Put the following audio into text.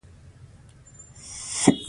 دا سبزی د معدې د تیزابیت کمولو کې ګټور دی.